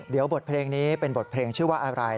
เดี๋ยวบทเพลงนี้เป็นบทเพลงชื่อว่าอะไร